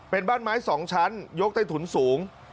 เป็นบ้านไม้๒ชั้นยกใต้ถุนสูง